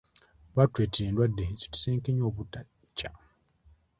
"Baatuleetera endwadde, ezitusenkenya obutakya."